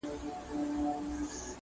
زه ټپه یم د ملالي چي زړېږم لا پخېږم.